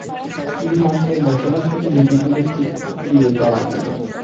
তিনি মক্কায় বসবাসরত বিভিন্ন ব্যক্তির বকরিও চরাতেন।